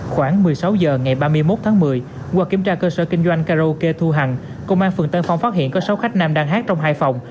khoảng một mươi sáu h ngày ba mươi một tháng một mươi qua kiểm tra cơ sở kinh doanh karaoke thu hằng công an phường tân phong phát hiện có sáu khách nam đang hát trong hai phòng